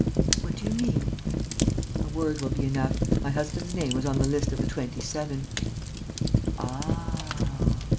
"What do you mean?" "A word will be enough: my husband's name was on the list of the Twenty seven." "Ah!"